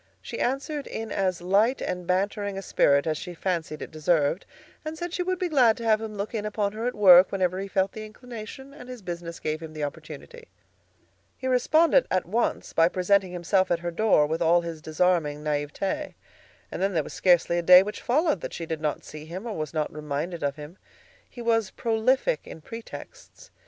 She answered in as light and bantering a spirit as she fancied it deserved, and said she would be glad to have him look in upon her at work whenever he felt the inclination and his business gave him the opportunity. He responded at once by presenting himself at her home with all his disarming naïveté. And then there was scarcely a day which followed that she did not see him or was not reminded of him. He was prolific in pretexts.